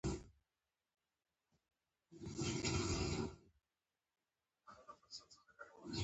ازادي راډیو د د بشري حقونو نقض په اړه د کارپوهانو خبرې خپرې کړي.